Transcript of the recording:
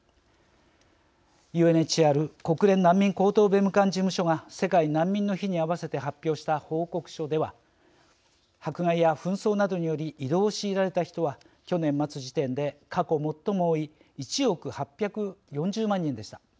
ＵＮＨＣＲ＝国連難民高等弁務官事務所が世界難民の日にあわせて発表した報告書では迫害や紛争などにより移動を強いられた人は去年末時点で、過去最も多い１億８４０万人でした。